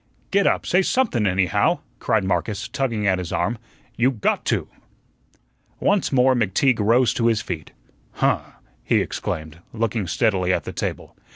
"Get up, say somethun, anyhow," cried Marcus, tugging at his arm; "you GOT to." Once more McTeague rose to his feet. "Huh!" he exclaimed, looking steadily at the table.